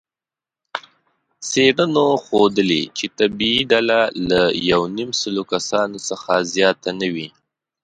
څېړنو ښودلې، چې طبیعي ډله له یونیمسلو کسانو څخه زیاته نه وي.